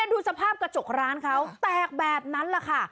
ดูสภาพกระจกร้านเขาแตกแบบนั้นแหละค่ะ